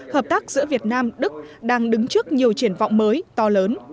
hợp tác giữa việt nam đức đang đứng trước nhiều triển vọng mới to lớn